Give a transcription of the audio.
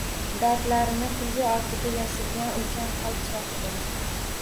Dardlarini kulgi ortiga yashirgan ulkan qalb sohibi